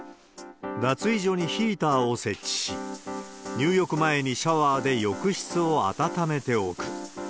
脱衣所にヒーターを設置し、入浴前にシャワーで浴室を暖めておく。